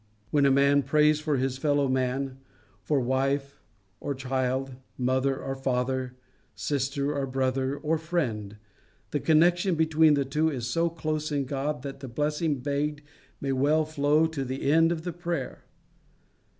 When a man prays for his fellow man, for wife or child, mother or father, sister or brother or friend, the connection between the two is so close in God, that the blessing begged may well flow to the end of the prayer.